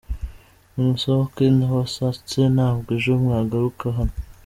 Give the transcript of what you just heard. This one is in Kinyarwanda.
Ntimusohoka ntabasatse, ntabwo ejo mwagaruka hano.